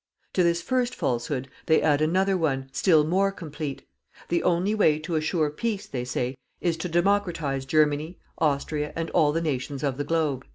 To this first falsehood, they add another one, still more complete: the only way to assure peace, they say, is to democratize Germany, Austria and all the nations of the Globe.